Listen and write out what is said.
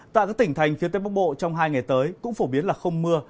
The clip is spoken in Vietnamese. tại các tỉnh thành phía tây bắc bộ trong hai ngày tới cũng phổ biến là không mưa